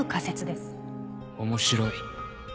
面白い。